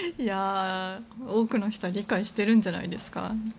多くの人は理解しているんじゃないですか。